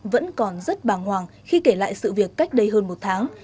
vẫn còn rất bàng hoàng khi kể lại sự việc cách đây hơn một tháng